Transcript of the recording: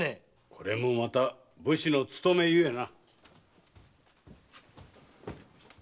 これもまた武士の勤めゆえな。